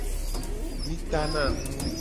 Mi tana nu.